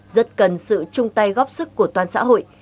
rất cần sự chung tay góp sức của toàn xã hội